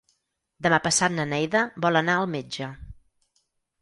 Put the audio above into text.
Demà passat na Neida vol anar al metge.